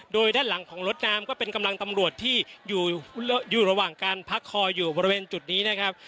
โดยด้านหลังของรถน้ำก็เป็นกำลังตำรวจที่อยู่ระหว่างการพักคอยอยู่บริเวณจุดนี้นะครับ